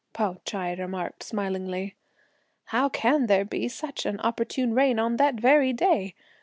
Pao Ch'ai remarked smilingly; "how can there be such an opportune rain on that very day!